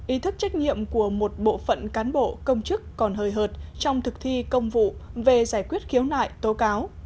ý thức trách nhiệm của một bộ phận cán bộ công chức còn hời hợt trong thực thi công vụ về giải quyết khiếu nại tố cáo